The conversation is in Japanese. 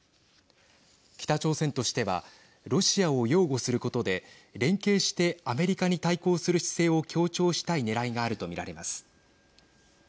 北朝鮮としてはロシアを擁護することで連携してアメリカに対抗する姿勢を強調したいねらいがあると見られます。